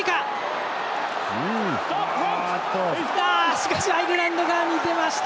しかしアイルランド側に出ました。